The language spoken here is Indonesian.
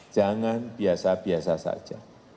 jangan biasa biasa saja